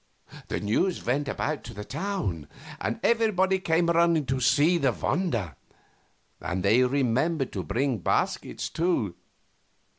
The news went about the town, and everybody came running to see the wonder and they remembered to bring baskets, too.